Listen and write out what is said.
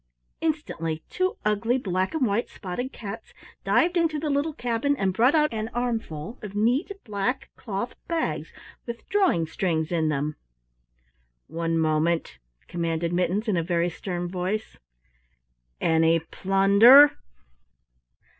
Instantly two ugly black and white spotted cats dived into the little cabin and brought out an armful of neat, black, cloth bags with drawing strings in them. "One moment," commanded Mittens in a very stern voice, "any plunder?"